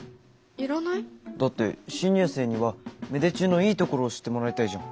だって新入生には芽出中のいいところを知ってもらいたいじゃん。